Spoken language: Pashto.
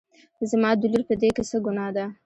زما د لور په دې کې څه ګناه ده